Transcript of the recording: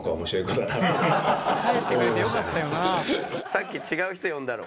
さっき違う人呼んだろ？